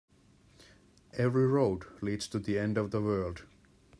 Every road leads to the end of the world.